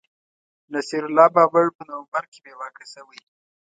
نصیر الله بابر په نومبر کي بې واکه شوی